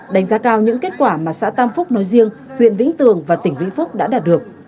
đánh giá cao những kết quả mà xã tam phúc nói riêng huyện vĩnh tường và tỉnh vĩnh phúc đã đạt được